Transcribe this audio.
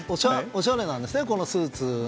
おしゃれなんですね、このスーツ。